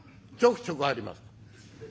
「ちょくちょくあります」。